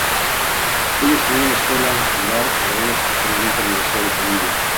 Ella estudió en la Escuela Juilliard, graduándose posteriormente en la Universidad de Columbia.